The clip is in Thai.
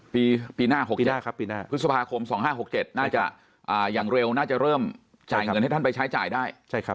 ปีหน้าพฤษภาคม๒๕๖๗น่าจะอย่างเร็วน่าจะเริ่มจ่ายเงินให้ท่านไปใช้จ่ายได้